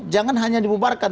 jangan hanya dibubarkan